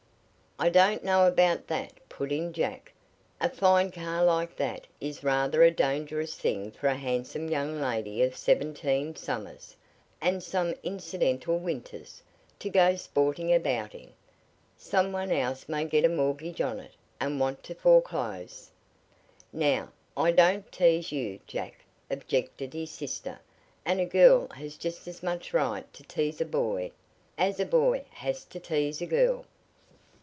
"I don't know about that," put in Jack. "A fine car like that is rather a dangerous thing for a handsome young lady of seventeen summers, and some incidental winters, to go sporting about in. Some one else may get a mortgage on it, and want to foreclose." "Now, I don't tease you, Jack," objected his, sister, "and a girl has just as much right to tease a boy as a boy has to tease a girl."